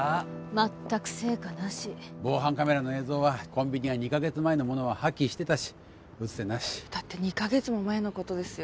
全く成果なし防犯カメラの映像はコンビニは２カ月前のものは破棄してたし打つ手なしだって２カ月も前のことですよ